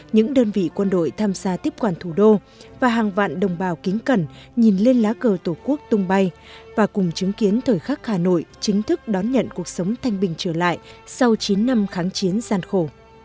những đơn vị quân đội tham gia tiếp quản thủ đô và hàng vạn đồng bào kính cẩn nhìn lên lá cờ tổ quốc tung bay và cùng chứng kiến thời khắc hà nội chính thức đón nhận cuộc sống thanh bình trở lại sau chín năm kháng chiến gian khổ